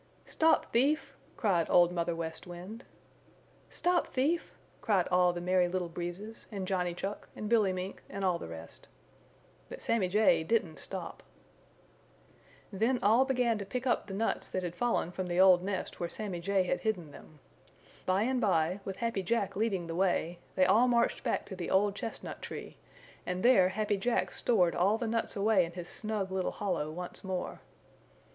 "Stop thief!" cried Old Mother West Wind. "Stop thief!" cried all the Merry Little Breezes and Johnny Chuck and Billy Mink and all the rest. But Sammy Jay didn't stop. Then all began to pick up the nuts that had fallen from the old nest where Sammy Jay had hidden them. By and by, with Happy Jack leading the way, they all marched back to the old chestnut tree and there Happy Jack stored all the nuts away in his snug little hollow once more.